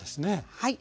はい。